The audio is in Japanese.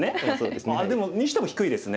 でもにしても低いですね。